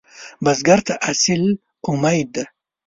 بزګر ته حاصل امید دی